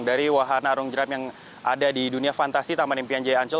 dari wahan arung jeram yang ada di dunia fantasi taman impian jaya ancol